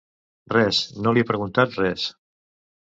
Res, no li he preguntat res.